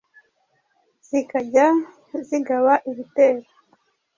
zikajya zigaba ibitero